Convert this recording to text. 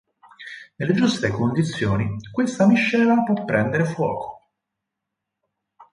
Nelle giuste condizioni questa miscela può prendere fuoco.